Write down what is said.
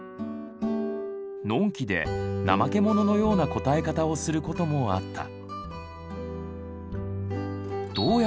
のんきでなまけ者のような答え方をする事もあった。